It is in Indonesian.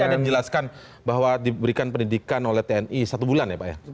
tadi anda menjelaskan bahwa diberikan pendidikan oleh tni satu bulan ya pak ya